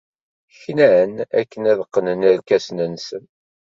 Knan akken ad qqnen irkasen-nsen.